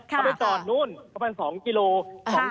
เขาไปจอดนู่นประมาณ๒กิโล